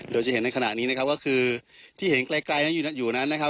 โดยจะเห็นในขณะนี้นะครับก็คือที่เห็นไกลนั้นอยู่นั้นนะครับ